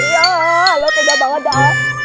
ya lo kenya banget dah